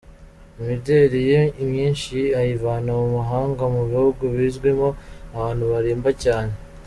Imideli ye imyinshi ayivana mu mahanga mu bihugu bizwimo abantu barimba cyane.